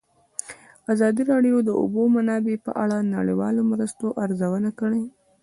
ازادي راډیو د د اوبو منابع په اړه د نړیوالو مرستو ارزونه کړې.